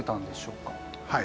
はい。